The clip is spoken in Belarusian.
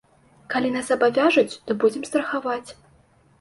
Калі нас абавяжуць, то будзем страхаваць.